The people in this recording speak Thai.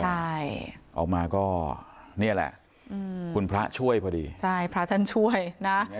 ใช่ออกมาก็นี่แหละคุณพระช่วยพอดีใช่พระท่านช่วยนะ